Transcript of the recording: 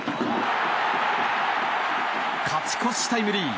勝ち越しタイムリー。